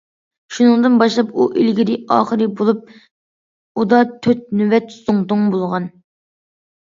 شۇنىڭدىن باشلاپ ئۇ ئىلگىرى- ئاخىر بولۇپ ئۇدا تۆت نۆۋەت زۇڭتۇڭ بولغان.